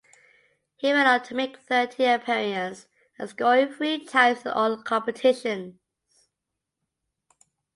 He went on to make thirteen appearance and scoring three times in all competitions.